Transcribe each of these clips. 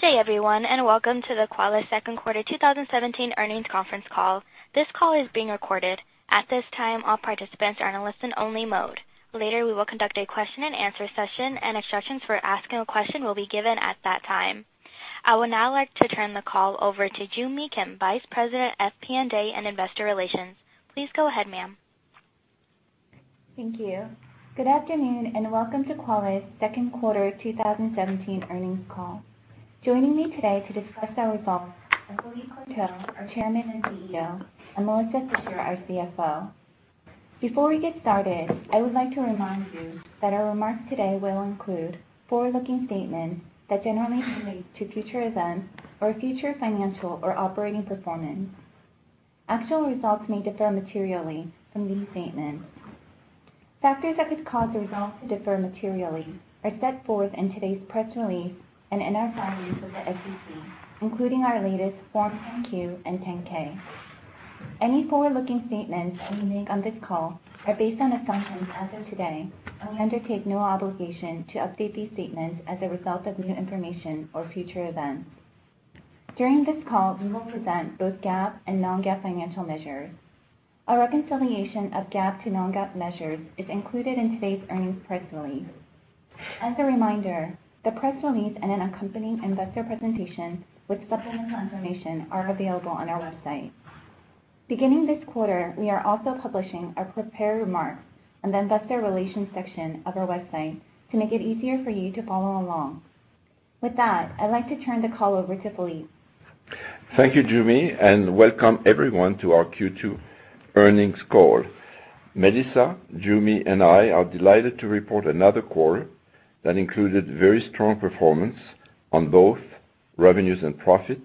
Good day, everyone. Welcome to the Qualys second quarter 2017 earnings conference call. This call is being recorded. At this time, all participants are in a listen-only mode. Later, we will conduct a question and answer session. Instructions for asking a question will be given at that time. I would now like to turn the call over to Joo Mi Kim, Vice President, FP&A, and Investor Relations. Please go ahead, ma'am. Thank you. Good afternoon. Welcome to Qualys' second quarter 2017 earnings call. Joining me today to discuss our results are Philippe Courtot, our Chairman and CEO, and Melissa Fisher, our CFO. Before we get started, I would like to remind you that our remarks today will include forward-looking statements that generally relate to future events or future financial or operating performance. Actual results may differ materially from these statements. Factors that could cause results to differ materially are set forth in today's press release and in our filings with the SEC, including our latest Forms 10-Q and 10-K. Any forward-looking statements we make on this call are based on assumptions as of today. We undertake no obligation to update these statements as a result of new information or future events. During this call, we will present both GAAP and non-GAAP financial measures. A reconciliation of GAAP to non-GAAP measures is included in today's earnings press release. As a reminder, the press release and an accompanying investor presentation with supplemental information are available on our website. Beginning this quarter, we are also publishing our prepared remarks on the investor relations section of our website to make it easier for you to follow along. With that, I'd like to turn the call over to Philippe. Thank you, Joo Mi. Welcome everyone to our Q2 earnings call. Melissa, Joo Mi, and I are delighted to report another quarter that included very strong performance on both revenues and profit,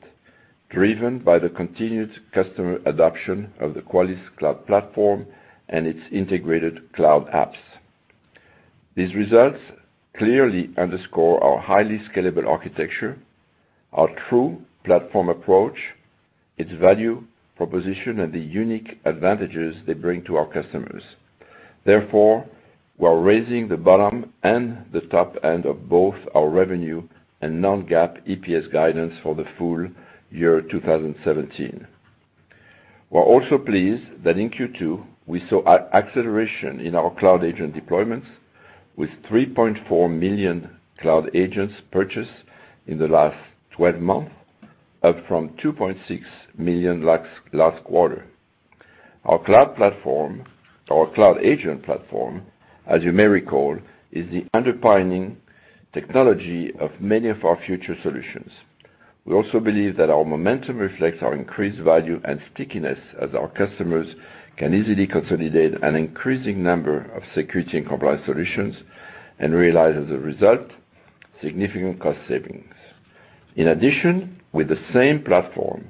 driven by the continued customer adoption of the Qualys Cloud Platform and its integrated cloud apps. These results clearly underscore our highly scalable architecture, our true platform approach, its value proposition, and the unique advantages they bring to our customers. Therefore, we're raising the bottom and the top end of both our revenue and non-GAAP EPS guidance for the full year 2017. We're also pleased that in Q2, we saw acceleration in our cloud agent deployments with $3.4 million cloud agents purchased in the last 12 months, up from $2.6 million last quarter. Our cloud agent platform, as you may recall, is the underpinning technology of many of our future solutions. We also believe that our momentum reflects our increased value and stickiness as our customers can easily consolidate an increasing number of security and compliance solutions and realize, as a result, significant cost savings. In addition, with the same platform,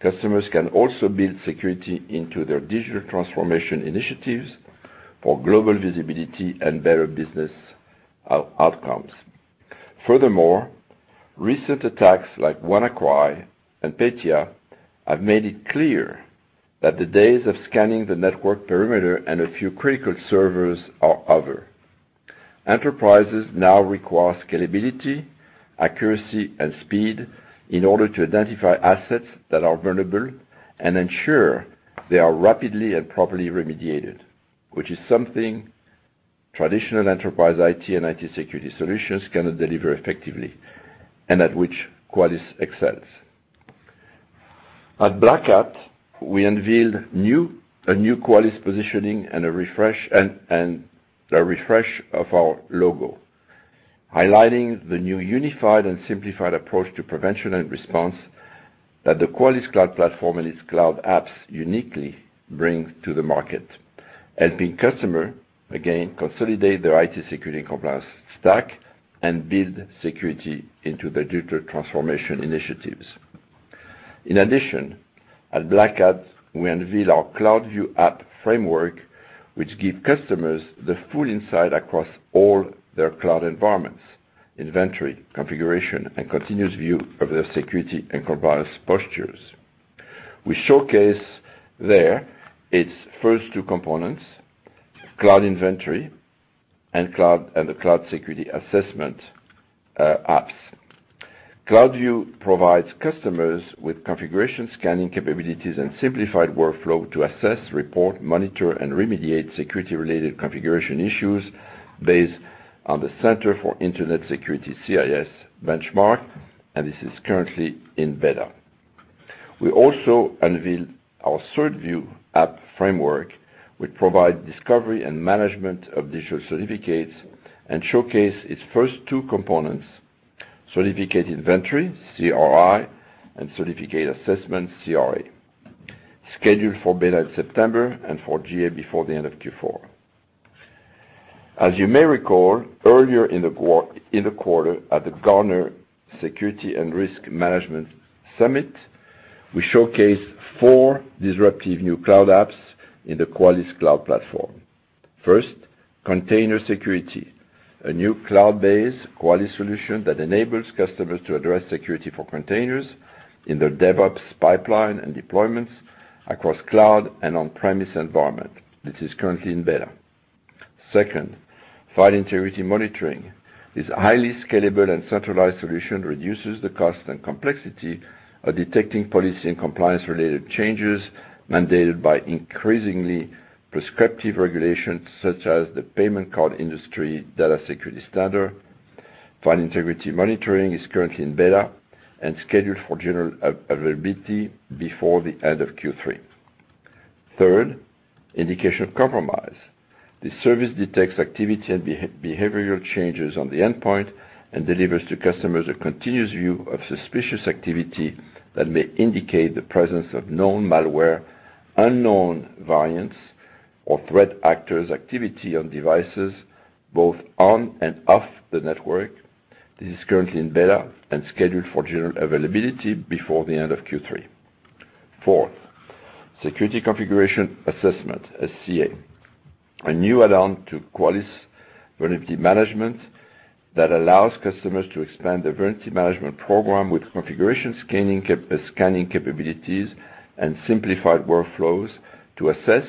customers can also build security into their digital transformation initiatives for global visibility and better business outcomes. Furthermore, recent attacks like WannaCry and Petya have made it clear that the days of scanning the network perimeter and a few critical servers are over. Enterprises now require scalability, accuracy, and speed in order to identify assets that are vulnerable and ensure they are rapidly and properly remediated, which is something traditional enterprise IT and IT security solutions cannot deliver effectively, and at which Qualys excels. At Black Hat, we unveiled a new Qualys positioning and a refresh of our logo, highlighting the new unified and simplified approach to prevention and response that the Qualys Cloud Platform and its cloud apps uniquely bring to the market, helping customer, again, consolidate their IT security compliance stack and build security into their digital transformation initiatives. In addition, at Black Hat, we unveiled our CloudView App framework, which give customers the full insight across all their cloud environments, inventory, configuration, and continuous view of their security and compliance postures. We showcase there its first two components, cloud inventory and the cloud security assessment apps. CloudView provides customers with configuration scanning capabilities and simplified workflow to assess, report, monitor, and remediate security-related configuration issues based on the Center for Internet Security CIS benchmark, and this is currently in beta. We also unveiled our CertView app framework, which provide discovery and management of digital certificates and showcase its first two components, certificate inventory, CRI, and certificate assessment, CRA, scheduled for beta in September and for GA before the end of Q4. As you may recall, earlier in the quarter at the Gartner Security & Risk Management Summit, we showcased four disruptive new cloud apps in the Qualys Cloud Platform. First, Container Security, a new cloud-based Qualys solution that enables customers to address security for containers in their DevOps pipeline and deployments across cloud and on-premise environment. This is currently in beta. Second, File Integrity Monitoring. This highly scalable and centralized solution reduces the cost and complexity of detecting policy and compliance-related changes mandated by increasingly prescriptive regulations such as the Payment Card Industry Data Security Standard. File Integrity Monitoring is currently in beta and scheduled for general availability before the end of Q3. Third, Indication of Compromise. This service detects activity and behavioral changes on the endpoint and delivers to customers a continuous view of suspicious activity that may indicate the presence of known malware, unknown variants, or threat actors activity on devices both on and off the network. This is currently in beta and scheduled for general availability before the end of Q3. Fourth, Security Configuration Assessment, SCA. A new add-on to Qualys Vulnerability Management that allows customers to expand their vulnerability management program with configuration scanning capabilities and simplified workflows to assess,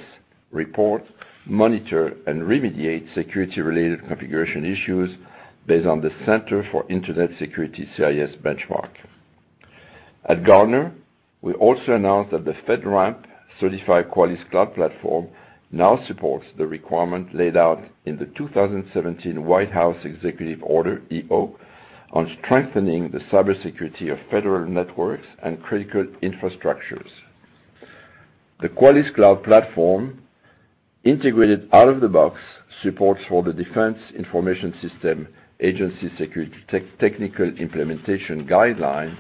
report, monitor, and remediate security-related configuration issues based on the Center for Internet Security CIS benchmark. At Gartner, we also announced that the FedRAMP certified Qualys Cloud Platform now supports the requirement laid out in the 2017 White House Executive Order, EO, on strengthening the cybersecurity of federal networks and critical infrastructures. The Qualys Cloud Platform, integrated out of the box, supports for the Defense Information Systems Agency Security Technical Implementation Guide.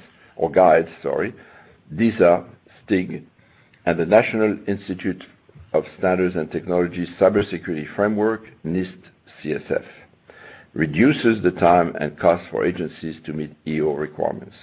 DISA STIG and the National Institute of Standards and Technology Cybersecurity Framework, NIST CSF, reduces the time and cost for agencies to meet EO requirements.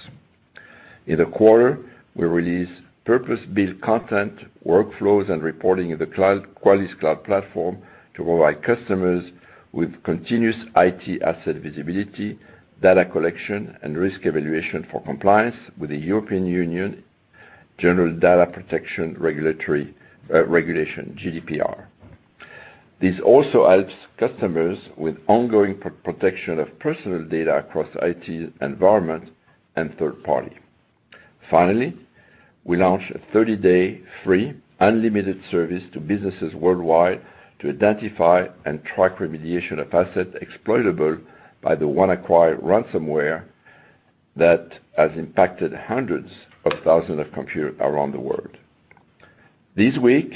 In the quarter, we released purpose-built content, workflows, and reporting in the Qualys Cloud Platform to provide customers with continuous IT asset visibility, data collection, and risk evaluation for compliance with the European Union General Data Protection Regulation, GDPR. This also helps customers with ongoing protection of personal data across IT environment and third party. Finally, we launched a 30-day free unlimited service to businesses worldwide to identify and track remediation of assets exploitable by the WannaCry ransomware that has impacted hundreds of thousands of computers around the world. This week,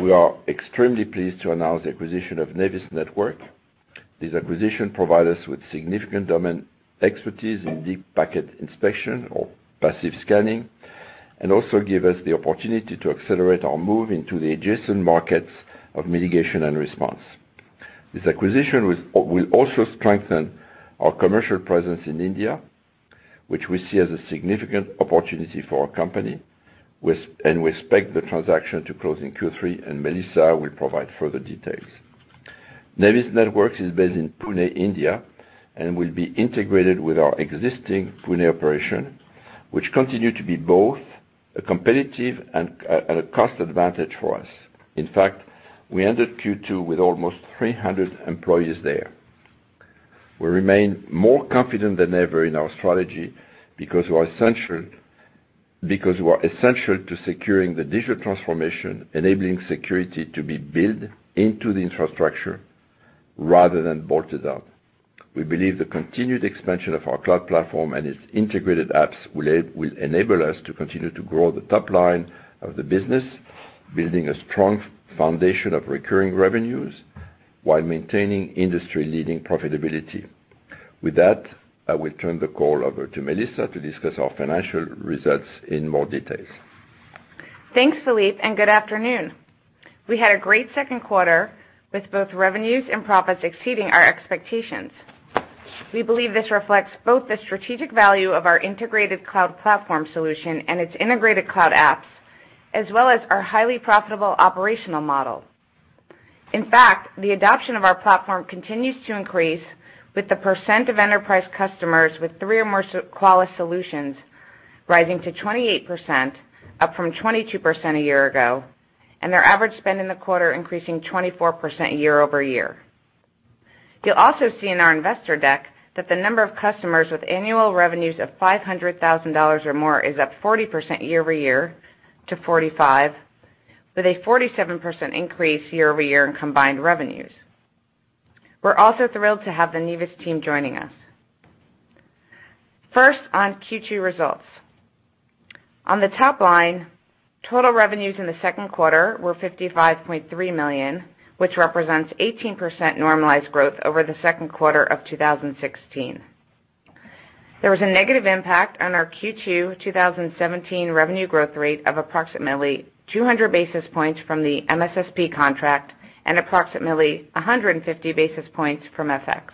we are extremely pleased to announce the acquisition of Nevis Networks. This acquisition provide us with significant domain expertise in deep packet inspection or passive scanning, and also give us the opportunity to accelerate our move into the adjacent markets of mitigation and response. This acquisition will also strengthen our commercial presence in India, which we see as a significant opportunity for our company, and we expect the transaction to close in Q3, and Melissa will provide further details. Nevis Networks is based in Pune, India and will be integrated with our existing Pune operation, which continue to be both a competitive and a cost advantage for us. In fact, we ended Q2 with almost 300 employees there. We remain more confident than ever in our strategy because we're essential to securing the digital transformation, enabling security to be built into the infrastructure rather than bolted on. We believe the continued expansion of our cloud platform and its integrated apps will enable us to continue to grow the top line of the business, building a strong foundation of recurring revenues while maintaining industry-leading profitability. With that, I will turn the call over to Melissa to discuss our financial results in more details. Thanks, Philippe, and good afternoon. We had a great second quarter with both revenues and profits exceeding our expectations. We believe this reflects both the strategic value of our integrated cloud platform solution and its integrated cloud apps, as well as our highly profitable operational model. In fact, the adoption of our platform continues to increase with the percent of enterprise customers with three or more Qualys solutions rising to 28%, up from 22% a year ago, and their average spend in the quarter increasing 24% year over year. You'll also see in our investor deck that the number of customers with annual revenues of $500,000 or more is up 40% year over year to 45, with a 47% increase year over year in combined revenues. We're also thrilled to have the Nevis team joining us. First, on Q2 results. On the top line, total revenues in the second quarter were $55.3 million, which represents 18% normalized growth over the second quarter of 2016. There was a negative impact on our Q2 2017 revenue growth rate of approximately 200 basis points from the MSSP contract and approximately 150 basis points from FX.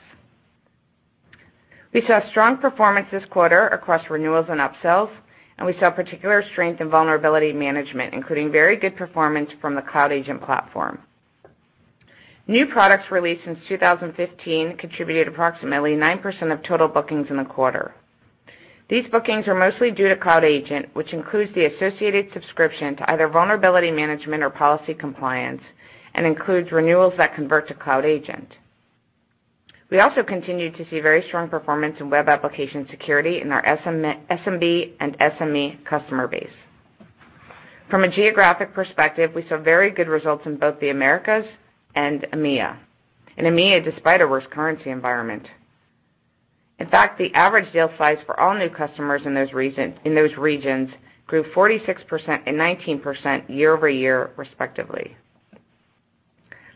We saw strong performance this quarter across renewals and upsells, and we saw particular strength in Vulnerability Management, including very good performance from the Cloud Agent platform. New products released since 2015 contributed approximately 9% of total bookings in the quarter. These bookings are mostly due to Cloud Agent, which includes the associated subscription to either Vulnerability Management or Policy Compliance and includes renewals that convert to Cloud Agent. We also continued to see very strong performance in web application security in our SMB and SME customer base. From a geographic perspective, we saw very good results in both the Americas and EMEA. In EMEA, despite a worse currency environment. In fact, the average sale size for all new customers in those regions grew 46% and 19% year-over-year respectively.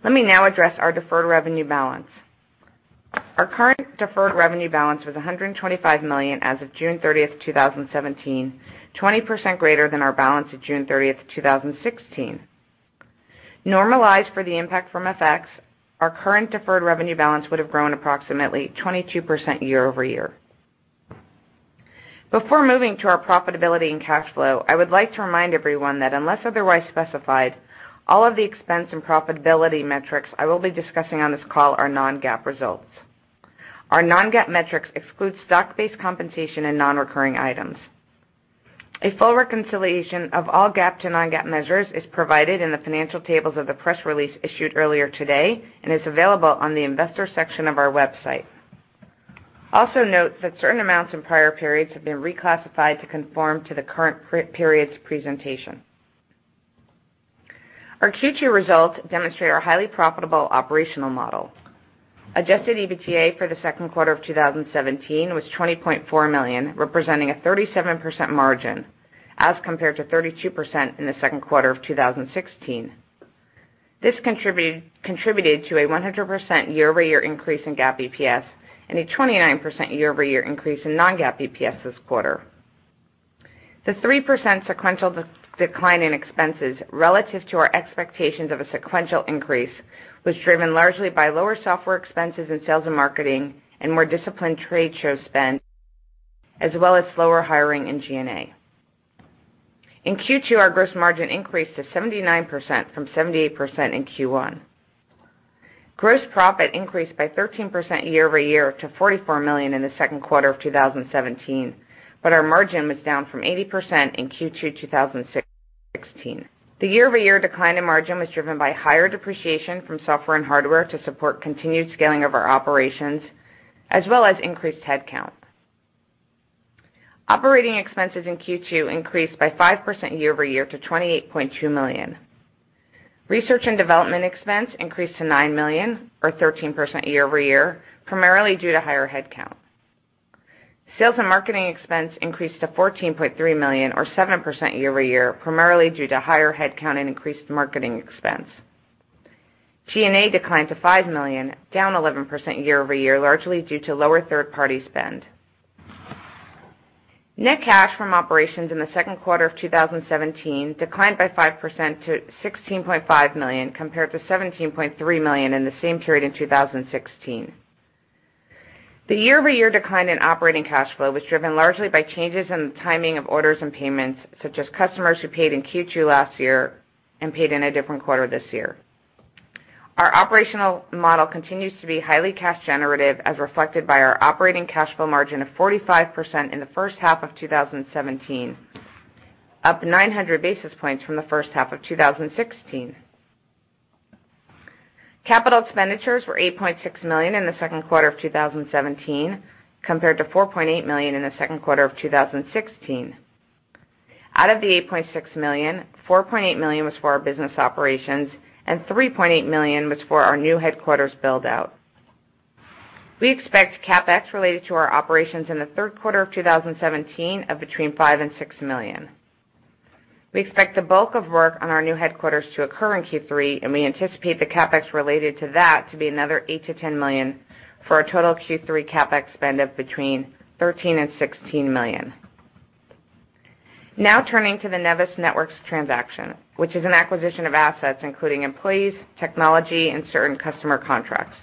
Let me now address our deferred revenue balance. Our current deferred revenue balance was $125 million as of June 30th, 2017, 20% greater than our balance at June 30th, 2016. Normalized for the impact from FX, our current deferred revenue balance would have grown approximately 22% year-over-year. Before moving to our profitability and cash flow, I would like to remind everyone that, unless otherwise specified, all of the expense and profitability metrics I will be discussing on this call are non-GAAP results. Our non-GAAP metrics exclude stock-based compensation and non-recurring items. A full reconciliation of all GAAP to non-GAAP measures is provided in the financial tables of the press release issued earlier today and is available on the investor section of our website. Also note that certain amounts in prior periods have been reclassified to conform to the current period's presentation. Our Q2 results demonstrate our highly profitable operational model. Adjusted EBITDA for the second quarter of 2017 was $20.4 million, representing a 37% margin, as compared to 32% in the second quarter of 2016. This contributed to a 100% year-over-year increase in GAAP EPS and a 29% year-over-year increase in non-GAAP EPS this quarter. The 3% sequential decline in expenses relative to our expectations of a sequential increase was driven largely by lower software expenses in sales and marketing and more disciplined trade show spend, as well as slower hiring in G&A. In Q2, our gross margin increased to 79% from 78% in Q1. Gross profit increased by 13% year-over-year to $44 million in the second quarter of 2017, but our margin was down from 80% in Q2 2016. The year-over-year decline in margin was driven by higher depreciation from software and hardware to support continued scaling of our operations, as well as increased headcount. Operating expenses in Q2 increased by 5% year-over-year to $28.2 million. Research and development expense increased to $9 million or 13% year-over-year, primarily due to higher headcount. Sales and marketing expense increased to $14.3 million or 7% year-over-year, primarily due to higher headcount and increased marketing expense. G&A declined to $5 million, down 11% year-over-year, largely due to lower third-party spend. Net cash from operations in the second quarter of 2017 declined by 5% to $16.5 million compared to $17.3 million in the same period in 2016. The year-over-year decline in operating cash flow was driven largely by changes in the timing of orders and payments, such as customers who paid in Q2 last year and paid in a different quarter this year. Our operational model continues to be highly cash generative as reflected by our operating cash flow margin of 45% in the first half of 2017, up 900 basis points from the first half of 2016. Capital expenditures were $8.6 million in the second quarter of 2017 compared to $4.8 million in the second quarter of 2016. Out of the $8.6 million, $4.8 million was for our business operations, and $3.8 million was for our new headquarters build-out. We expect CapEx related to our operations in the third quarter of 2017 of between $5 million and $6 million. Turning to the Nevis Networks transaction, which is an acquisition of assets including employees, technology and certain customer contracts.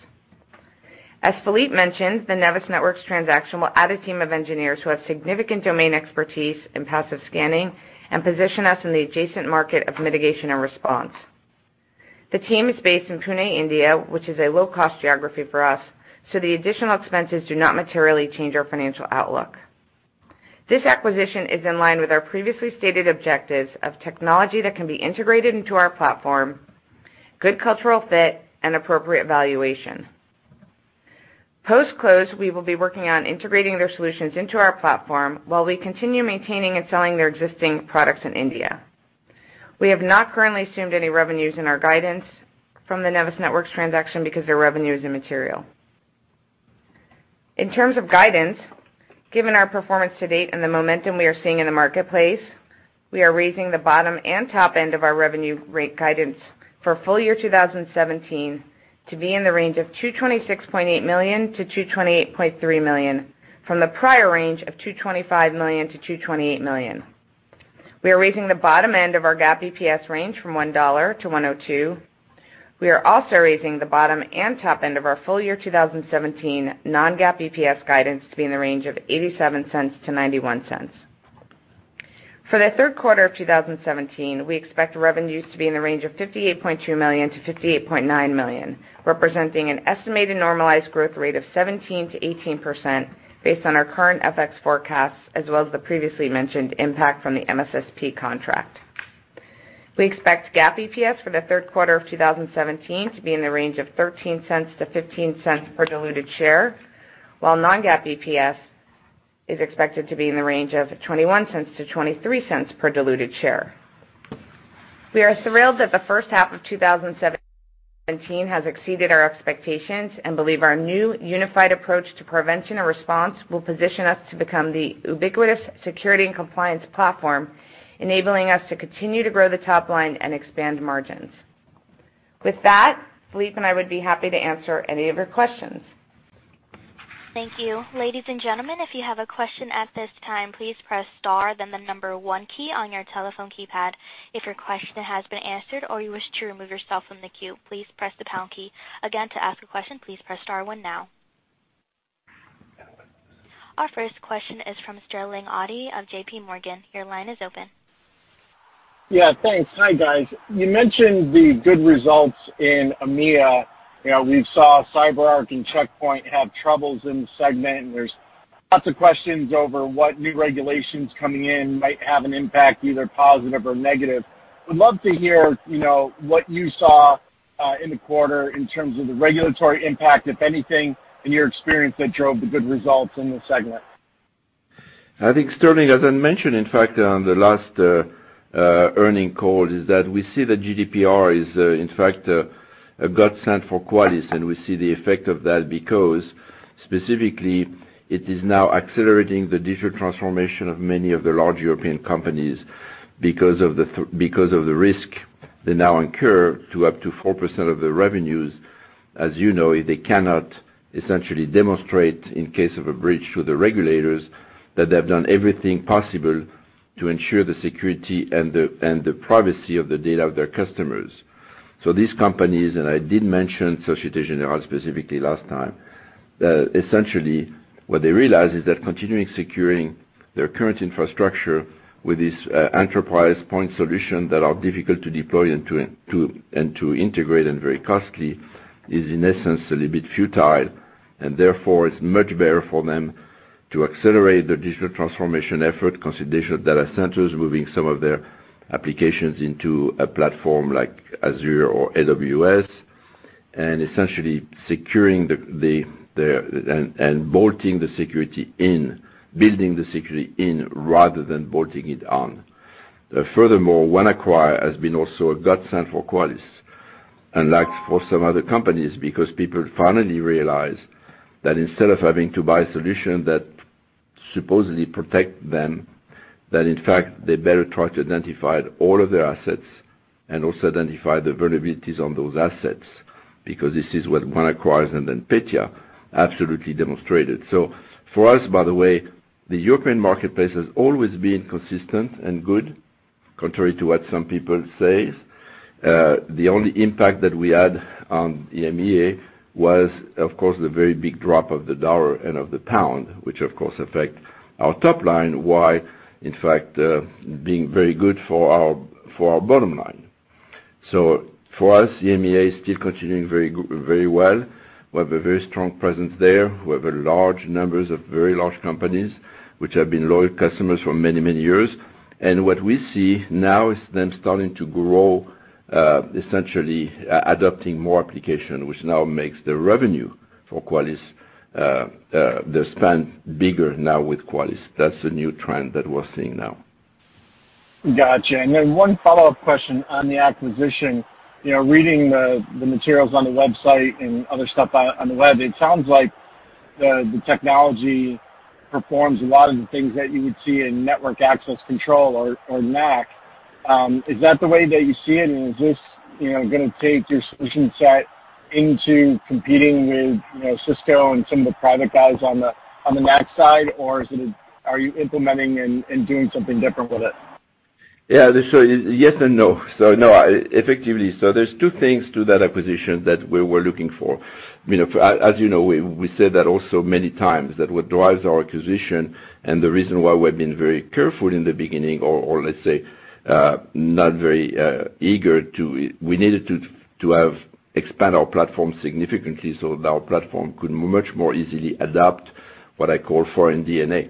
As Philippe mentioned, the Nevis Networks transaction will add a team of engineers who have significant domain expertise in passive scanning and position us in the adjacent market of mitigation and response. The team is based in Pune, India. The additional expenses do not materially change our financial outlook. This acquisition is in line with our previously stated objectives of technology that can be integrated into our platform, good cultural fit, and appropriate valuation. Post-close, we will be working on integrating their solutions into our platform while we continue maintaining and selling their existing products in India. We have not currently assumed any revenues in our guidance from the Nevis Networks transaction because their revenue is immaterial. In terms of guidance, given our performance to date and the momentum we are seeing in the marketplace, we are raising the bottom and top end of our revenue rate guidance for full year 2017 to be in the range of $226.8 million-$228.3 million from the prior range of $225 million-$228 million. We are raising the bottom end of our GAAP EPS range from $1 to $1.02. We are also raising the bottom and top end of our full year 2017 non-GAAP EPS guidance to be in the range of $0.87-$0.91. For the third quarter of 2017, we expect revenues to be in the range of $58.2 million-$58.9 million, representing an estimated normalized growth rate of 17%-18% based on our current FX forecasts, as well as the previously mentioned impact from the MSSP contract. We expect GAAP EPS for the third quarter of 2017 to be in the range of $0.13-$0.15 per diluted share, while non-GAAP EPS is expected to be in the range of $0.21-$0.23 per diluted share. We are thrilled that the first half of 2017 has exceeded our expectations and believe our new unified approach to prevention and response will position us to become the ubiquitous security and compliance platform, enabling us to continue to grow the top line and expand margins. With that, Philippe and I would be happy to answer any of your questions. Thank you. Ladies and gentlemen, if you have a question at this time, please press star then the number one key on your telephone keypad. If your question has been answered or you wish to remove yourself from the queue, please press the pound key. Again, to ask a question, please press star one now. Our first question is from Sterling Auty of J.P. Morgan. Your line is open. Yeah, thanks. Hi, guys. You mentioned the good results in EMEA. We saw CyberArk and Check Point have troubles in the segment. There's lots of questions over what new regulations coming in might have an impact, either positive or negative. Would love to hear what you saw in the quarter in terms of the regulatory impact, if anything, in your experience that drove the good results in this segment. I think, Sterling, as I mentioned in fact on the last earning call, is that we see that GDPR is in fact a godsend for Qualys. We see the effect of that because specifically it is now accelerating the digital transformation of many of the large European companies because of the risk they now incur to up to 4% of the revenues. As you know, they cannot essentially demonstrate in case of a breach to the regulators that they have done everything possible to ensure the security and the privacy of the data of their customers. These companies, and I did mention Société Générale specifically last time, essentially what they realize is that continuing securing their current infrastructure with this enterprise point solution that are difficult to deploy and to integrate and very costly is in essence a little bit futile. Therefore, it's much better for them to accelerate the digital transformation effort, consolidation of data centers, moving some of their applications into a platform like Azure or AWS, and essentially securing and bolting the security in, building the security in rather than bolting it on. Furthermore, WannaCry has been also a godsend for Qualys, unlike for some other companies, because people finally realize that instead of having to buy a solution that supposedly protect them, that in fact they better try to identify all of their assets and also identify the vulnerabilities on those assets because this is what WannaCry and then Petya absolutely demonstrated. For us, by the way, the European marketplace has always been consistent and good, contrary to what some people say. The only impact that we had on EMEA was of course the very big drop of the dollar and of the pound, which of course affect our top line, while in fact being very good for our bottom line. For us, EMEA is still continuing very well. We have a very strong presence there. We have large numbers of very large companies which have been loyal customers for many years. What we see now is them starting to grow, essentially adopting more application, which now makes the revenue for Qualys, the spend bigger now with Qualys. That's the new trend that we're seeing now. Got you. Then one follow-up question on the acquisition. Reading the materials on the website and other stuff on the web, it sounds like the technology performs a lot of the things that you would see in network access control or NAC. Is that the way that you see it, and is this going to take your solution set into competing with Cisco and some of the private guys on the NAC side, or are you implementing and doing something different with it? Yeah. Yes and no. No, effectively. There's two things to that acquisition that we were looking for. As you know, we said that also many times that what drives our acquisition and the reason why we've been very careful in the beginning or let's say, not very eager to expand our platform significantly so that our platform could much more easily adapt what I call foreign DNA.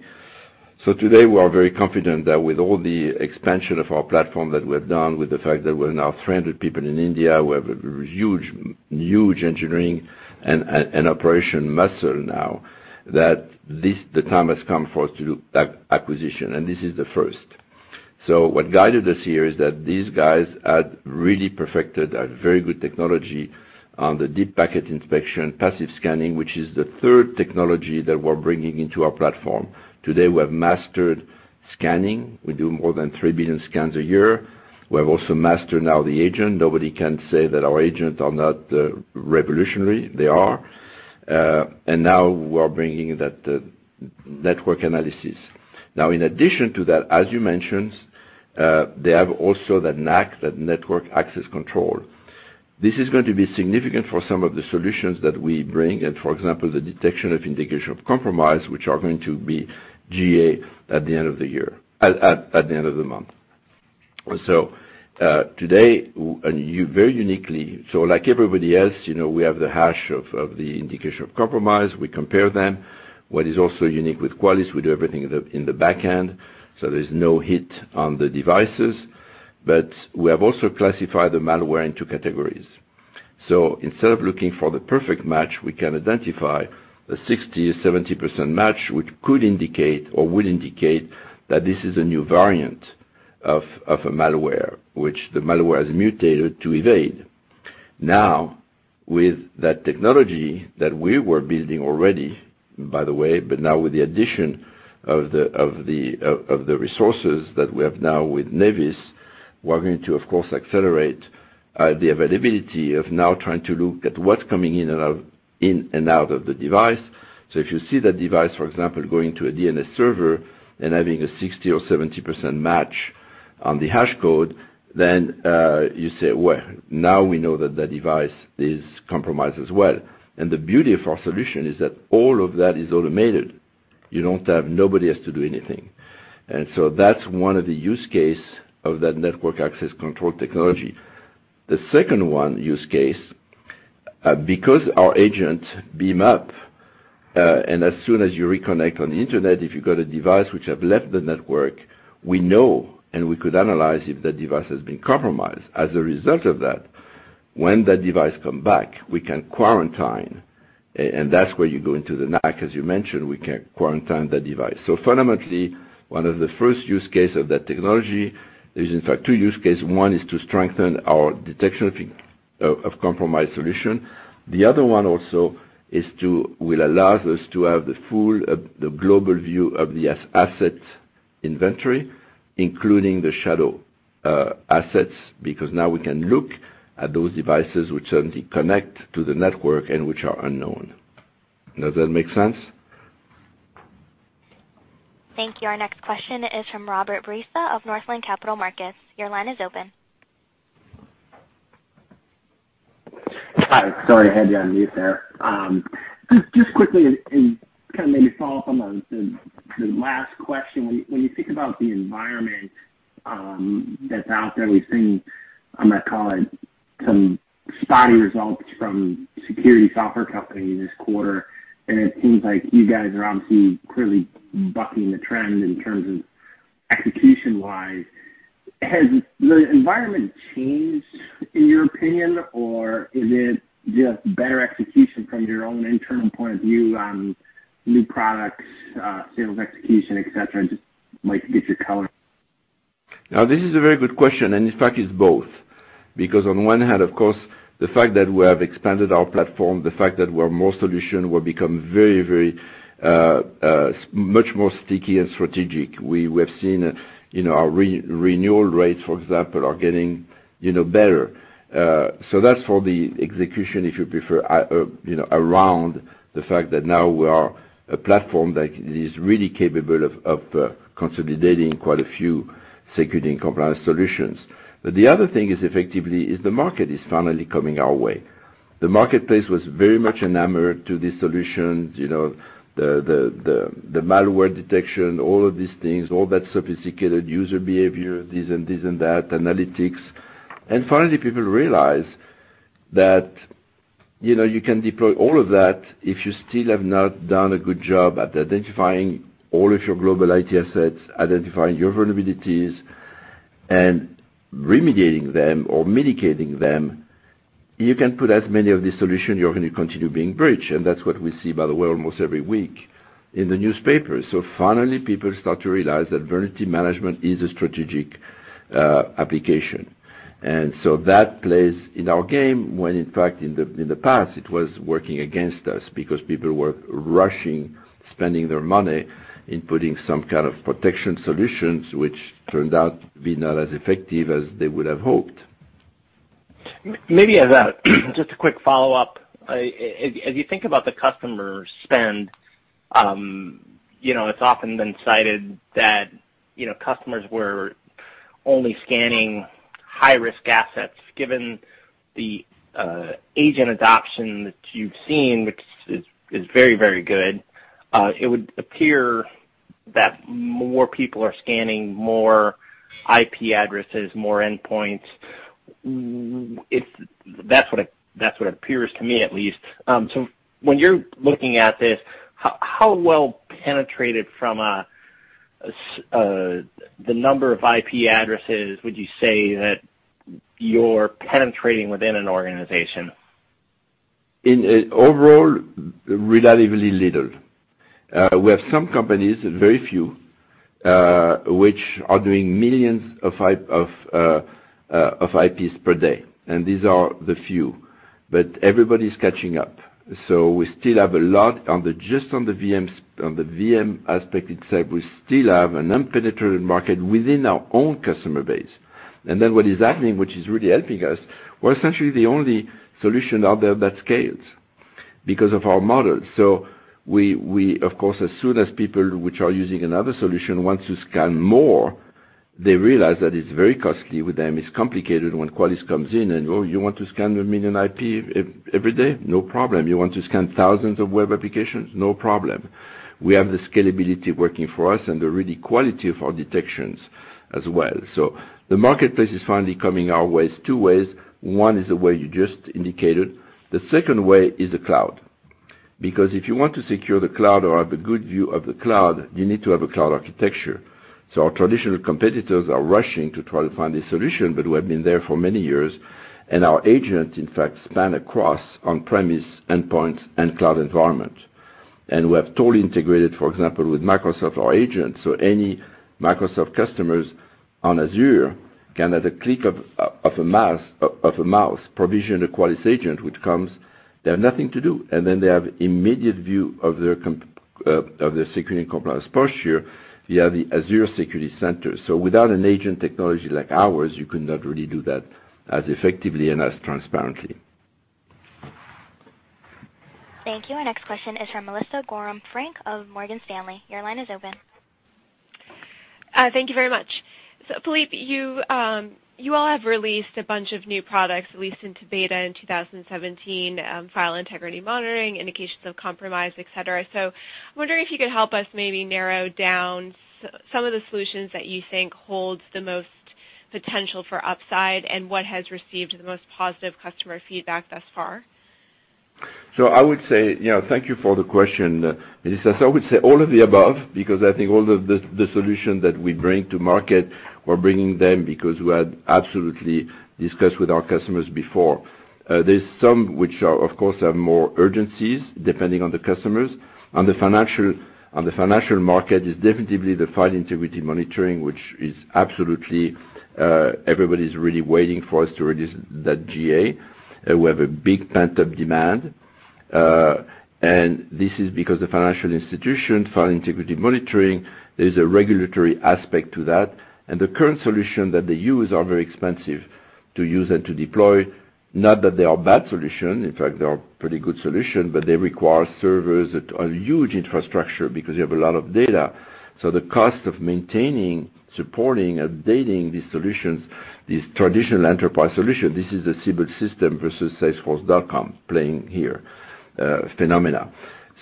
Today, we are very confident that with all the expansion of our platform that we have done, with the fact that we're now 300 people in India, we have a huge engineering and operation muscle now, that the time has come for us to do acquisition, and this is the first. What guided us here is that these guys had really perfected a very good technology on the deep packet inspection, passive scanning, which is the third technology that we're bringing into our platform. Today, we have mastered scanning. We do more than 3 billion scans a year. We have also mastered now the agent. Nobody can say that our agents are not revolutionary. They are. Now we are bringing that network analysis. In addition to that, as you mentioned, they have also that NAC, that network access control. This is going to be significant for some of the solutions that we bring and for example, the detection of Indication of Compromise, which are going to be GA at the end of the month. Today, and very uniquely, so like everybody else, we have the hash of the Indication of Compromise. We compare them. We do everything in the back end, there's no hit on the devices. We have also classified the malware into categories. Instead of looking for the perfect match, we can identify the 60% or 70% match, which could indicate or will indicate that this is a new variant of a malware, which the malware has mutated to evade. With that technology that we were building already, by the way, with the addition of the resources that we have now with Nevis, we're going to, of course, accelerate the availability of now trying to look at what's coming in and out of the device. If you see that device, for example, going to a DNS server and having a 60% or 70% match on the hash code, then you say, "Well, now we know that that device is compromised as well." The beauty of our solution is that all of that is automated. Nobody has to do anything. That's one of the use case of that network access control technology. The second use case, because our agent beam up, as soon as you reconnect on the internet, if you've got a device which have left the network, we know and we could analyze if that device has been compromised. As a result of that, when that device come back, we can quarantine, and that's where you go into the NAC, as you mentioned, we can quarantine the device. Fundamentally, one of the first use case of that technology, there is in fact two use case. One is to strengthen our detection of compromised solution. The other one also will allow us to have the full, the global view of the asset inventory, including the shadow assets, because now we can look at those devices which suddenly connect to the network and which are unknown. Does that make sense? Thank you. Our next question is from Robert Breza of Northland Capital Markets. Your line is open. Hi, sorry, I had you on mute there. Just quickly, kind of maybe follow up on the last question. When you think about the environment that's out there, we've seen, I'm going to call it some spotty results from security software companies this quarter, and it seems like you guys are obviously clearly bucking the trend in terms of execution-wise. Has the environment changed in your opinion, or is it just better execution from your own internal point of view on new products, sales execution, et cetera? Just might get your color. This is a very good question, and in fact, it's both. On one hand, of course, the fact that we have expanded our platform, the fact that we're more solution, we've become much more sticky and strategic. We have seen our renewal rates, for example, are getting better. That's for the execution, if you prefer, around the fact that now we are a platform that is really capable of consolidating quite a few security and compliance solutions. The other thing is effectively is the market is finally coming our way. The marketplace was very much enamored to the solutions, the malware detection, all of these things, all that sophisticated user behavior, this and this and that, analytics. Finally, people realize that you can deploy all of that if you still have not done a good job at identifying all of your global IT assets, identifying your vulnerabilities, and remediating them or mitigating them. You can put as many of the solution, you're going to continue being breached, and that's what we see, by the way, almost every week in the newspaper. Finally, people start to realize that Vulnerability Management is a strategic application. That plays in our game, when in fact in the past it was working against us because people were rushing, spending their money in putting some kind of protection solutions, which turned out to be not as effective as they would have hoped. Maybe as a just a quick follow-up. As you think about the customer spend, it's often been cited that customers were only scanning high-risk assets. Given the agent adoption that you've seen, which is very, very good, it would appear that more people are scanning more IP addresses, more endpoints. That's what appears to me, at least. When you're looking at this, how well penetrated from the number of IP addresses would you say that you're penetrating within an organization? In overall, relatively little. We have some companies, very few, which are doing millions of IPs per day, and these are the few. Everybody's catching up. We still have a lot, just on the VM aspect itself, we still have an unpenetrated market within our own customer base. What is happening, which is really helping us, we're essentially the only solution out there that scales because of our model. Of course, as soon as people, which are using another solution, want to scan more, they realize that it's very costly with them. It's complicated when Qualys comes in and, "Oh, you want to scan a million IP every day? No problem. You want to scan thousands of web applications? No problem." We have the scalability working for us and the really quality of our detections as well. The marketplace is finally coming our ways, two ways. One is the way you just indicated. The second way is the cloud, because if you want to secure the cloud or have a good view of the cloud, you need to have a cloud architecture. Our traditional competitors are rushing to try to find a solution, but we have been there for many years, and our agent, in fact, span across on-premise endpoints and cloud environment. We have totally integrated, for example, with Microsoft, our agent, so any Microsoft customers on Azure can, at a click of a mouse, provision a Qualys agent, which comes. They have nothing to do. They have immediate view of their security compliance posture via the Azure Security Center. Without an agent technology like ours, you could not really do that as effectively and as transparently. Thank you. Our next question is from Melissa Gorham of Morgan Stanley. Your line is open. Thank you very much. Philippe, you all have released a bunch of new products, at least into beta in 2017, File Integrity Monitoring, Indication of Compromise, et cetera. I'm wondering if you could help us maybe narrow down some of the solutions that you think holds the most potential for upside and what has received the most positive customer feedback thus far. Thank you for the question, Melissa. I would say all of the above, because I think all the solution that we bring to market, we're bringing them because we had absolutely discussed with our customers before. There's some which, of course, have more urgencies depending on the customers. On the financial market, it's definitely the File Integrity Monitoring, which is absolutely, everybody's really waiting for us to release that GA. We have a big pent-up demand. This is because the financial institution, File Integrity Monitoring, there's a regulatory aspect to that. The current solution that they use are very expensive to use and to deploy. Not that they are bad solution, in fact, they are pretty good solution, but they require servers that are huge infrastructure because you have a lot of data. The cost of maintaining, supporting, updating these solutions, these traditional enterprise solutions, this is the Siebel Systems versus salesforce.com playing here, phenomena.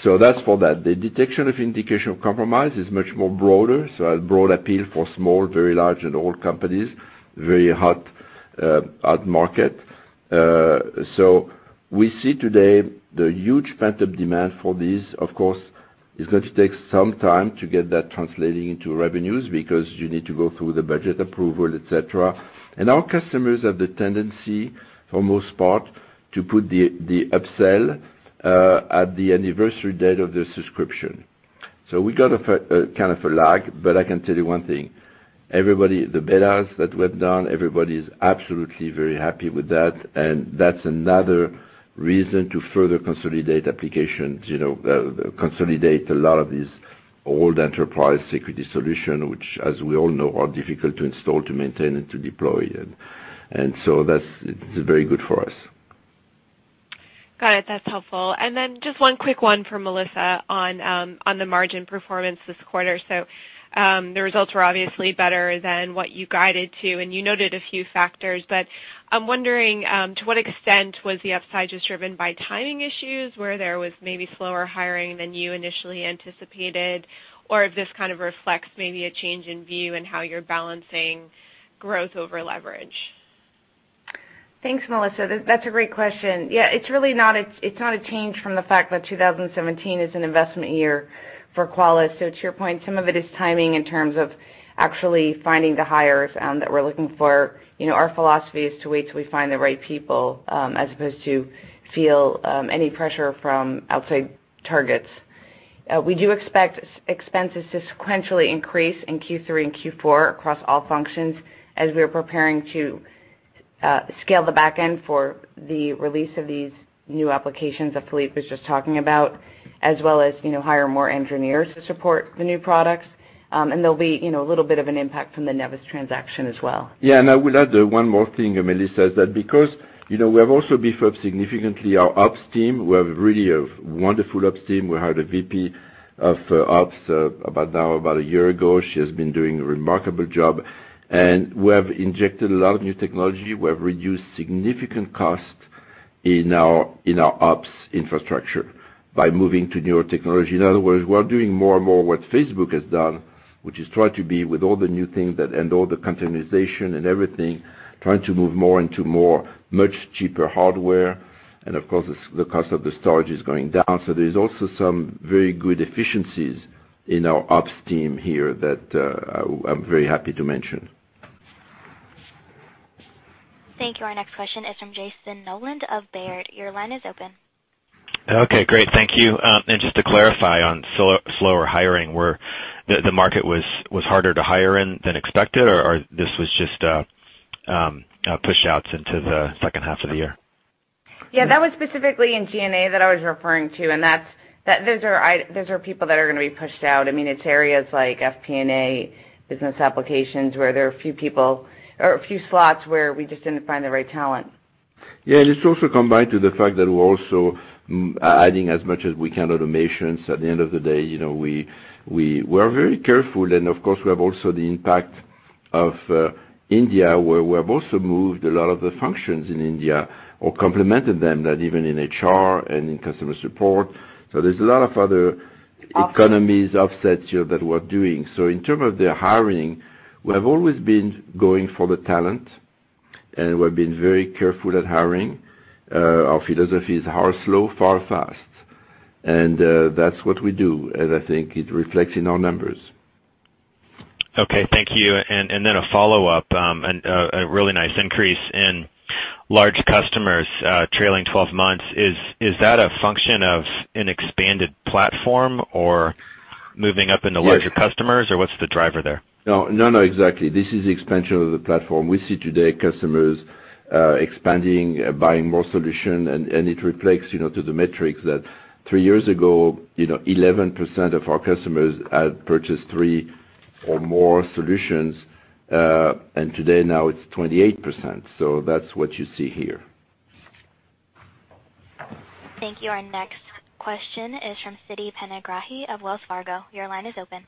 That's for that. The detection of Indication of Compromise is much more broader, broad appeal for small, very large, and old companies, very hot market. We see today the huge pent-up demand for this. Of course, it's going to take some time to get that translating into revenues because you need to go through the budget approval, et cetera. Our customers have the tendency, for most part, to put the upsell at the anniversary date of their subscription. We got a kind of a lag, but I can tell you one thing, the betas that we've done, everybody's absolutely very happy with that, and that's another reason to further consolidate applications, consolidate a lot of these old enterprise security solution, which as we all know, are difficult to install, to maintain, and to deploy. That's very good for us. Got it. That's helpful. Just one quick one for Melissa on the margin performance this quarter. The results were obviously better than what you guided to, and you noted a few factors, but I'm wondering, to what extent was the upside just driven by timing issues where there was maybe slower hiring than you initially anticipated, or if this kind of reflects maybe a change in view in how you're balancing growth over leverage? Thanks, Melissa. That's a great question. Yeah, it's not a change from the fact that 2017 is an investment year for Qualys. To your point, some of it is timing in terms of actually finding the hires that we're looking for. Our philosophy is to wait till we find the right people, as opposed to feel any pressure from outside targets. We do expect expenses to sequentially increase in Q3 and Q4 across all functions as we are preparing to scale the back end for the release of these new applications that Philippe was just talking about, as well as hire more engineers to support the new products. There'll be a little bit of an impact from the Nevis transaction as well. Yeah, I will add one more thing, Melissa, is that because we have also beefed up significantly our ops team. We have really a wonderful ops team. We hired a VP of ops about a year ago. She has been doing a remarkable job, we have injected a lot of new technology. We have reduced significant cost in our ops infrastructure by moving to newer technology. In other words, we're doing more and more what Facebook has done, which is try to be with all the new things and all the containerization and everything, trying to move more into much cheaper hardware. Of course, the cost of the storage is going down. There's also some very good efficiencies in our ops team here that I'm very happy to mention. Thank you. Our next question is from Jayson Noland of Baird. Your line is open. Okay, great. Thank you. Just to clarify on slower hiring, the market was harder to hire in than expected, or this was just push outs into the second half of the year? Yeah, that was specifically in G&A that I was referring to. Those are people that are going to be pushed out. It's areas like FP&A business applications where there are a few slots where we just didn't find the right talent Yeah, it's also combined to the fact that we're also adding as much as we can, automations. At the end of the day, we are very careful and of course we have also the impact of India, where we have also moved a lot of the functions in India or complemented them, even in HR and in customer support. There's a lot of other economies, offsets that we're doing. In terms of the hiring, we have always been going for the talent, and we've been very careful at hiring. Our philosophy is hire slow, fire fast, and that's what we do, and I think it reflects in our numbers. Okay, thank you. Then a follow-up, a really nice increase in large customers trailing 12 months. Is that a function of an expanded platform or moving up into larger customers, or what's the driver there? No, exactly. This is the expansion of the platform. We see today customers expanding, buying more solution, and it reflects to the metrics that three years ago, 11% of our customers had purchased three or more solutions, and today now it's 28%. That's what you see here. Thank you. Our next question is from Siti Panigrahi of Wells Fargo. Your line is open.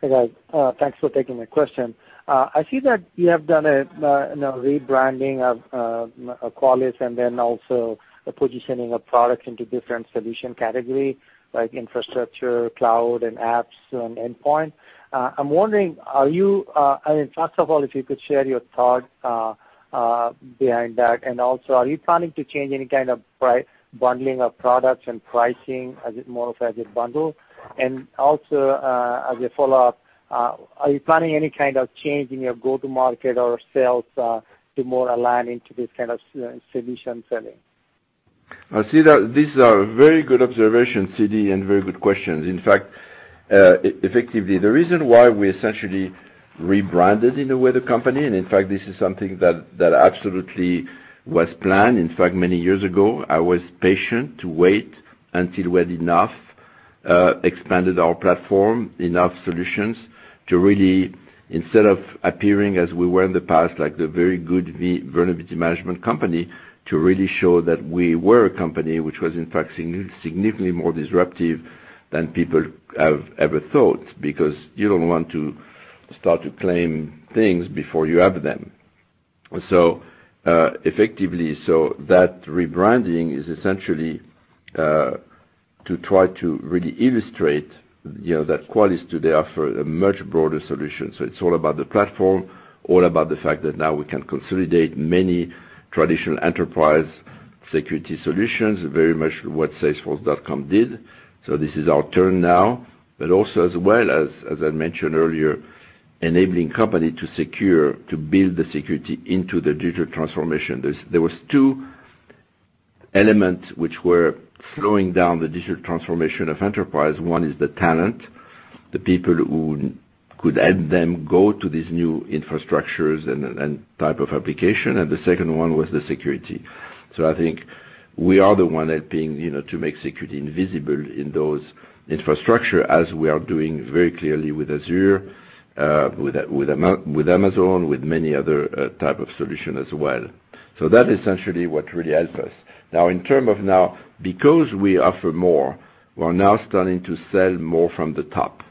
Hey, guys. Thanks for taking my question. I see that you have done a rebranding of Qualys and then also the positioning of products into different solution category, like infrastructure, cloud, and apps, and endpoint. I'm wondering, first of all, if you could share your thought behind that and also are you planning to change any kind of bundling of products and pricing as it more of as a bundle? As a follow-up, are you planning any kind of change in your go-to-market or sales to more align into this kind of solution selling? Siti, these are very good observations, Siti, and very good questions. Effectively, the reason why we essentially rebranded in a way the company, and in fact this is something that absolutely was planned. Many years ago, I was patient to wait until we had enough, expanded our platform enough solutions to really, instead of appearing as we were in the past, like the very good Vulnerability Management company, to really show that we were a company which was in fact significantly more disruptive than people have ever thought, because you don't want to start to claim things before you have them. Effectively, that rebranding is essentially to try to really illustrate that Qualys today offer a much broader solution. It's all about the platform, all about the fact that now we can consolidate many traditional enterprise security solutions, very much what salesforce.com did. This is our turn now, but also as well as I mentioned earlier, enabling company to secure, to build the security into the digital transformation. There was two elements which were slowing down the digital transformation of enterprise. One is the talent, the people who could help them go to these new infrastructures and type of application, and the second one was the security. I think we are the one helping to make security invisible in those infrastructure as we are doing very clearly with Azure, with Amazon, with many other type of solution as well. That is essentially what really helps us. Now, in term of now, because we offer more, we are now starting to sell more from the top.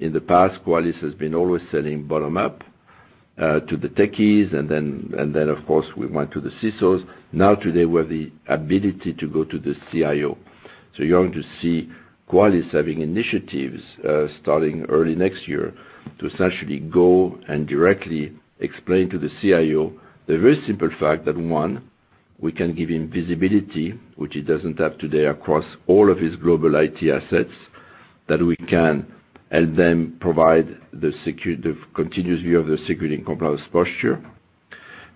In the past, Qualys has been always selling bottom up, to the techies, and then of course we went to the CISOs. Today, we have the ability to go to the CIO. You're going to see Qualys having initiatives, starting early next year to essentially go and directly explain to the CIO the very simple fact that, one, we can give him visibility, which he doesn't have today across all of his global IT assets, that we can help him provide the continuous view of the security and compliance posture.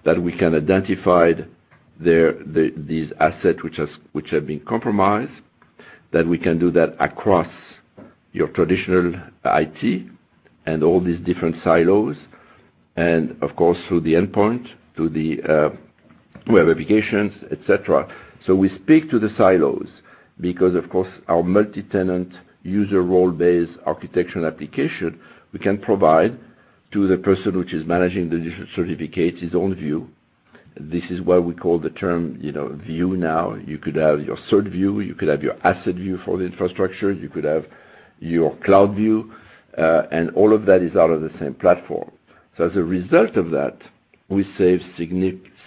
That we can identify these assets which have been compromised, that we can do that across your traditional IT and all these different silos, and of course through the endpoint, through the web applications, et cetera. We speak to the silos because of course our multi-tenant user role-based architectural application, we can provide to the person which is managing the digital certificates, his own view. This is why we call the CertView now. You could have your CertView, you could have your asset view for the infrastructure, you could have your CloudView, and all of that is out of the same platform. As a result of that, we save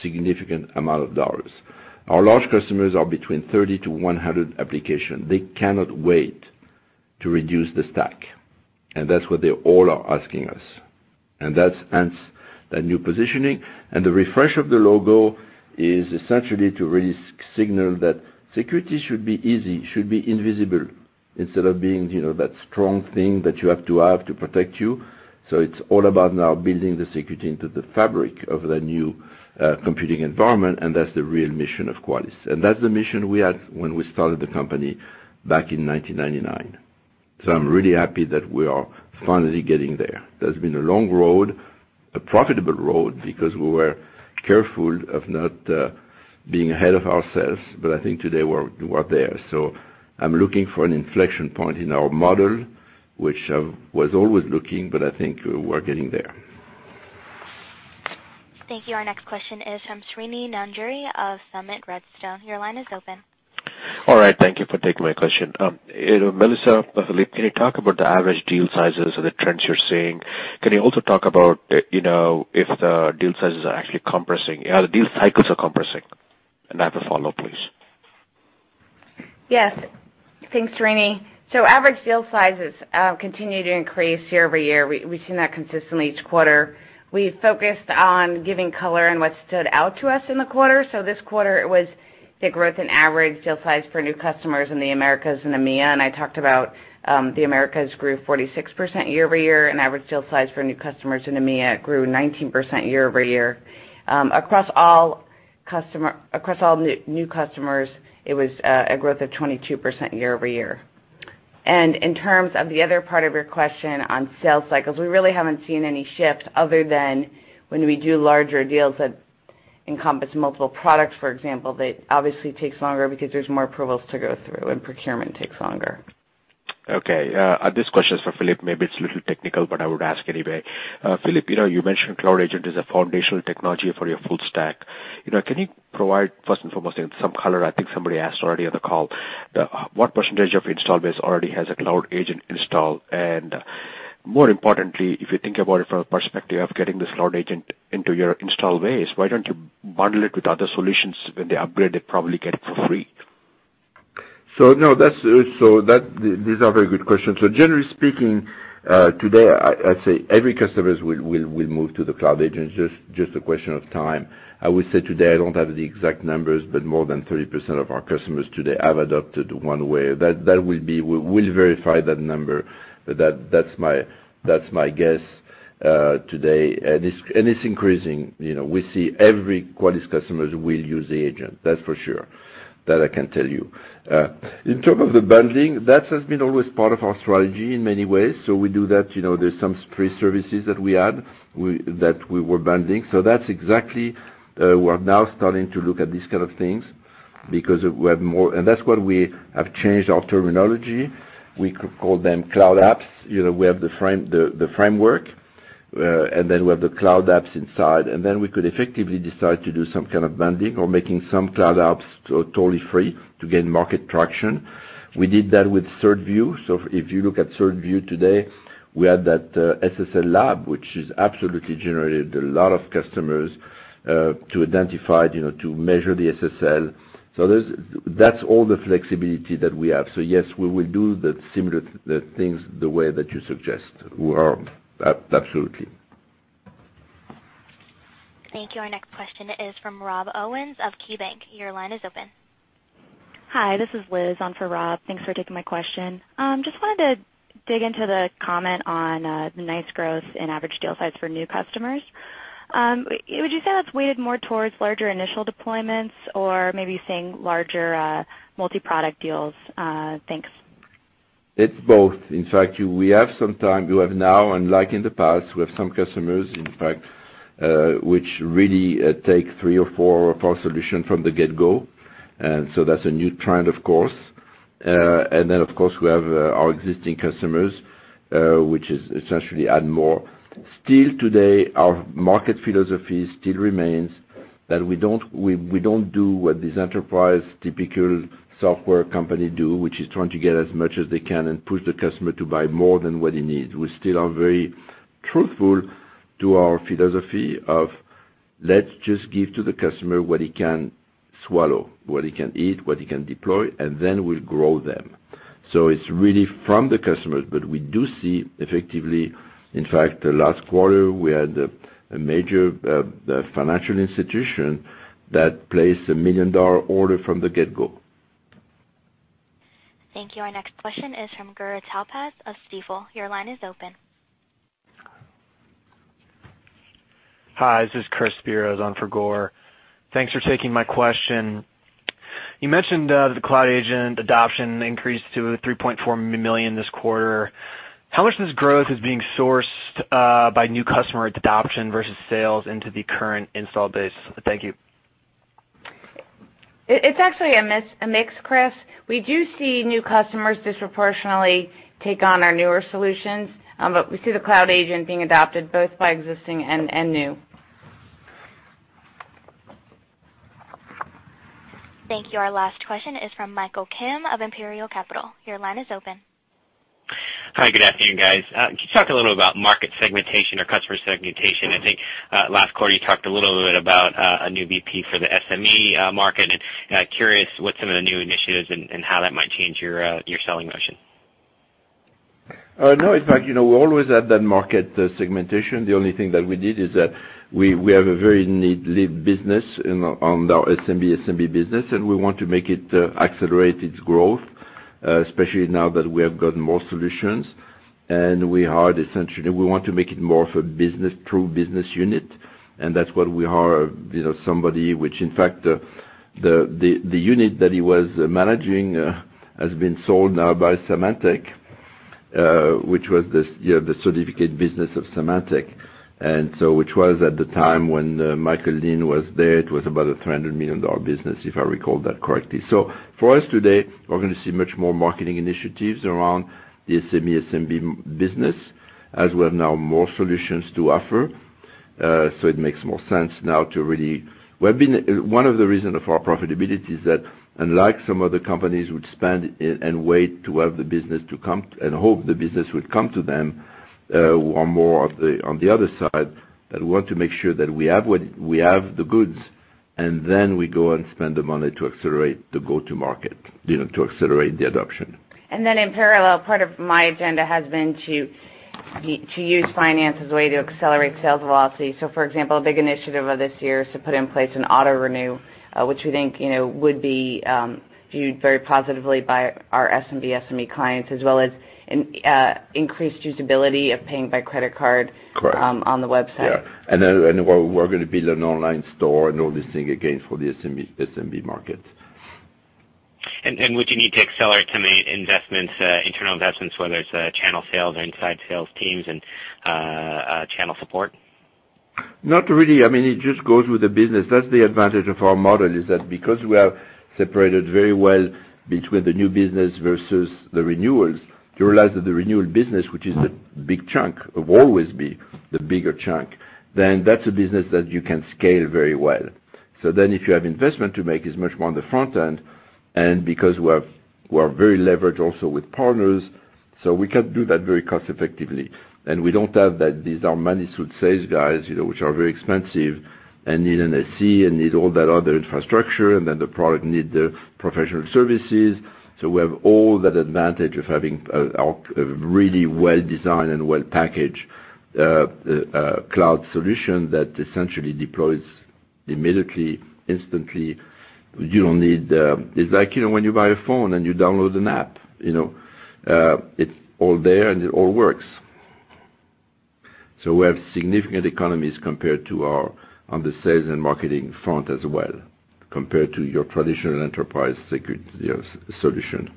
significant amount of dollars. Our large customers are between 30 to 100 application. They cannot wait to reduce the stack, and that's what they all are asking us. Hence the new positioning and the refresh of the logo is essentially to really signal that security should be easy, should be invisible instead of being that strong thing that you have to have to protect you. It's all about now building the security into the fabric of the new computing environment, and that's the real mission of Qualys. That's the mission we had when we started the company back in 1999. I'm really happy that we are finally getting there. That's been a long road, a profitable road, because we were careful of not being ahead of ourselves. I think today we are there. I'm looking for an inflection point in our model, which I was always looking, I think we're getting there. Thank you. Our next question is from Srini Nandury of Summit Redstone. Your line is open. Thank you for taking my question. Melissa, can you talk about the average deal sizes and the trends you're seeing? Can you also talk about if the deal sizes are actually compressing? Are the deal cycles compressing? I have a follow-up, please. Yes. Thanks, Srini. Average deal sizes continue to increase year-over-year. We've seen that consistently each quarter. We focused on giving color and what stood out to us in the quarter. This quarter it was the growth in average deal size for new customers in the Americas and EMEA. I talked about the Americas grew 46% year-over-year, and average deal size for new customers in EMEA grew 19% year-over-year. Across all new customers, it was a growth of 22% year-over-year. In terms of the other part of your question on sales cycles, we really haven't seen any shift other than when we do larger deals that encompass multiple products, for example, that obviously takes longer because there's more approvals to go through and procurement takes longer. Okay. This question is for Philippe. Maybe it's a little technical, but I would ask anyway. Philippe, you mentioned Cloud Agent is a foundational technology for your full stack. Can you provide, first and foremost, some color? I think somebody asked already on the call, what percentage of install base already has a Cloud Agent installed? More importantly, if you think about it from a perspective of getting this Cloud Agent into your installed base, why don't you bundle it with other solutions when they upgrade, they probably get it for free. These are very good questions. Generally speaking, today, I'd say every customer will move to the Cloud Agent. It's just a question of time. I would say today, I don't have the exact numbers, but more than 30% of our customers today have adopted one way. We'll verify that number. That's my guess today. It's increasing. We see every Qualys customers will use the agent, that's for sure. That I can tell you. In terms of the bundling, that has been always part of our strategy in many ways. We do that, there's some free services that we add that we were bundling. That's exactly, we are now starting to look at these kind of things because we have more. That's why we have changed our terminology. We call them cloud apps. We have the framework, and then we have the cloud apps inside, and then we could effectively decide to do some kind of bundling or making some cloud apps totally free to gain market traction. We did that with CertView. If you look at CertView today, we had that SSL Labs, which has absolutely generated a lot of customers, to identify, to measure the SSL. That's all the flexibility that we have. Yes, we will do the similar things the way that you suggest. Absolutely. Thank you. Our next question is from Rob Owens of KeyBanc. Your line is open. Hi, this is Liz on for Rob. Thanks for taking my question. Just wanted to dig into the comment on the nice growth in average deal size for new customers. Would you say that's weighted more towards larger initial deployments or maybe seeing larger multi-product deals? Thanks. It's both. In fact, we have some time. We have now, unlike in the past, we have some customers, in fact, which really take three or four of our solutions from the get-go. That's a new trend, of course. Of course, we have our existing customers, which is essentially add more. Still today, our market philosophy still remains that we don't do what these enterprise typical software company do, which is trying to get as much as they can and push the customer to buy more than what he needs. We still are very truthful to our philosophy of let's just give to the customer what he can swallow, what he can eat, what he can deploy, and then we'll grow them. It's really from the customers, but we do see effectively, in fact, last quarter, we had a major financial institution that placed a $1 million order from the get-go. Thank you. Our next question is from Gur Talpaz of Stifel. Your line is open. Hi, this is Chris Speros on for Gur. Thanks for taking my question. You mentioned, the Cloud Agent adoption increased to 3.4 million this quarter. How much of this growth is being sourced by new customer adoption versus sales into the current install base? Thank you. It's actually a mix, Chris. We do see new customers disproportionately take on our newer solutions, but we see the Cloud Agent being adopted both by existing and new. Thank you. Our last question is from Michael Kim of Imperial Capital. Your line is open. Hi, good afternoon, guys. Can you talk a little about market segmentation or customer segmentation? I think, last quarter, you talked a little bit about a new VP for the SME market. Curious what some of the new initiatives and how that might change your selling motion. No, in fact, we always had that market segmentation. The only thing that we did is that we have a very neat lead business on our SMB business. We want to make it accelerate its growth, especially now that we have gotten more solutions. We hired essentially, we want to make it more of a true business unit, and that's what we hired, somebody, which in fact, the unit that he was managing has been sold now by Symantec, which was the certificate business of Symantec. Which was at the time when Michael Lin was there, it was about a $300 million business, if I recall that correctly. For us today, we're going to see much more marketing initiatives around the SME, SMB business, as we have now more solutions to offer. It makes more sense now to really. One of the reason of our profitability is that unlike some other companies who would spend and wait to have the business to come and hope the business would come to them, we are more on the other side, that we want to make sure that we have the goods, then we go and spend the money to accelerate the go-to-market, to accelerate the adoption. Then in parallel, part of my agenda has been to use finance as a way to accelerate sales velocity. For example, a big initiative of this year is to put in place an auto-renew, which we think would be viewed very positively by our SMB/SME clients, as well as increased usability of paying by credit card- Correct. -on the website. Yeah. We're going to build an online store and all this thing again for the SMB market. Would you need to accelerate to make internal investments, whether it's channel sales or inside sales teams and channel support? Not really. It just goes with the business. That's the advantage of our model, is that because we are separated very well between the new business versus the renewals, to realize that the renewal business, which is a big chunk, will always be the bigger chunk, that's a business that you can scale very well. If you have investment to make, it's much more on the front end, and because we're very leveraged also with partners, we can do that very cost effectively. We don't have that these are money suit sales guys, which are very expensive and need an SE and need all that other infrastructure, and then the product need the professional services. We have all that advantage of having a really well-designed and well-packaged cloud solution that essentially deploys immediately, instantly. It's like when you buy a phone and you download an app. It's all there and it all works. We have significant economies compared to our, on the sales and marketing front as well, compared to your traditional enterprise security solution.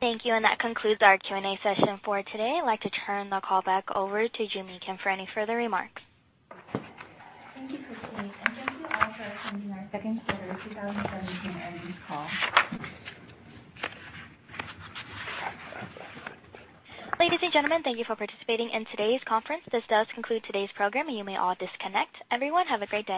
Thank you, and that concludes our Q&A session for today. I'd like to turn the call back over to Joo Mi Kim for any further remarks. Thank you, Christine, and thank you all for attending our second quarter 2017 earnings call. Ladies and gentlemen, thank you for participating in today's conference. This does conclude today's program, and you may all disconnect. Everyone, have a great day.